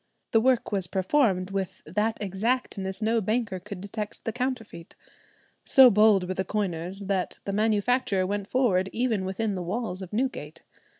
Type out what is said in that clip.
The work was performed "with that exactness no banker could detect the counterfeit." So bold were the coiners, that the manufacture went forward even within the walls of Newgate.